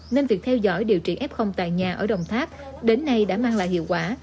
nên việc theo dõi điều trị f tại nhà ở đồng tháp đến nay đã mang lại hiệu quả